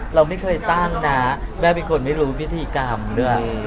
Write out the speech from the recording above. เราไม่เคยตั้งนะแม่เป็นคนไม่รู้พิธีกรรมด้วย